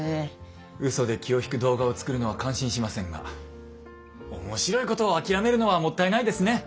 うそで気を引く動画を作るのは感心しませんが面白いことを諦めるのはもったいないですね。